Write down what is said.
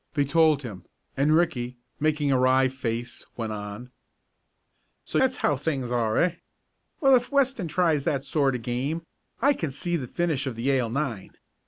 They told him, and Ricky, making a wry face, went on: "So that's how things are; eh? Well, if Weston tries that sort of game, I can see the finish of the Yale nine.